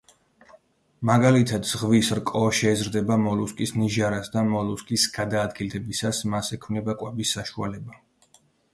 მაგალითად, ზღვის რკო შეეზრდება მოლუსკის ნიჟარას და მოლუსკის გადაადგილებისას მას ექმნება კვების საშუალება.